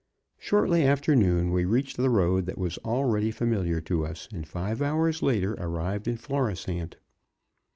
Shortly after noon we reached the road that was already familiar to us, and five hours later arrived in Florisant.